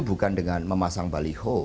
bukan dengan memasang baliho